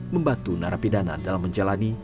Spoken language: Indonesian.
membantu narapidana dalam menjalani